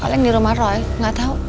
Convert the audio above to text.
kalau yang di rumah roy gak tau